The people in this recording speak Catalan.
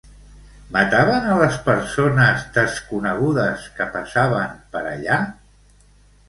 Mataven a les persones desconegudes que passaven per allà?